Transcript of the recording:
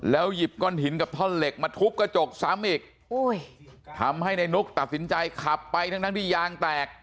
หยิบก้อนหินกับท่อนเหล็กมาทุบกระจกซ้ำอีกทำให้ในนุกตัดสินใจขับไปทั้งทั้งที่ยางแตก